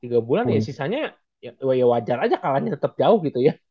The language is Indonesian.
tiga bulan ya sisanya ya wajar aja kalahnya tetap jauh gitu ya